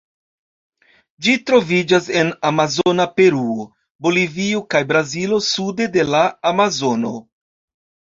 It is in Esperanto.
Ĝi troviĝas en Amazona Peruo, Bolivio kaj Brazilo sude de la Amazono.